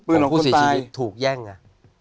ของผู้เสียชีวิตถูกแย่งนะ